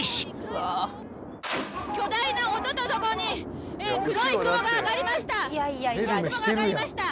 ごう音とともに黒い雲があがりました